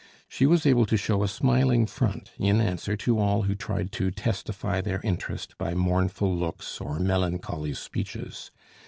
She was able to show a smiling front in answer to all who tried to testify their interest by mournful looks or melancholy speeches.